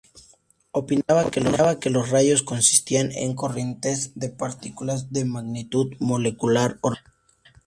Opinaba que los rayos consistían en corrientes de partículas de magnitud molecular ordinaria.